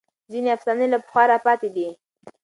ځینې افسانې له پخوا راپاتې دي.